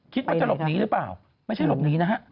คิดว่าจะหลบหนีหรือเปล่าไม่ใช่หลบหนีนะฮะ